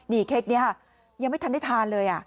นี่เค้กนี้ค่ะยังไม่ทันได้ทานเลย